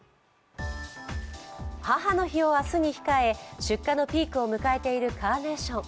母の日を明日に向かえ、出荷のピークを迎えているカーネーション。